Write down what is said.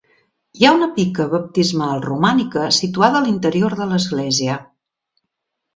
Hi ha una pica baptismal romànica situada a l'interior de l'església.